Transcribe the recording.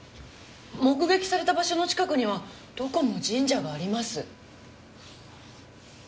目撃された場所の近くにはどこも神社があります。